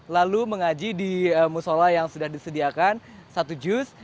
lalu mengaji di musola yang sudah disediakan satu jus